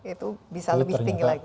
itu bisa lebih tinggi lagi